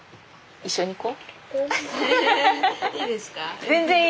一緒に行こう。